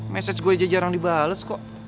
message gue aja jarang dibales kok